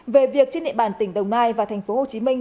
về việc trên địa bàn tỉnh đồng nai và thành phố hồ chí minh